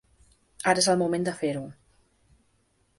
Ara és el moment de fer-ho.